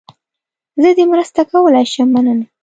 زه دې مرسته کولای شم، مننه.